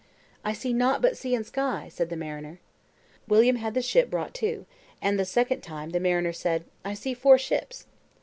"I see nought but sea and sky," said the mariner. William had the ship brought to; and, the second time, the mariner said, "I see four ships."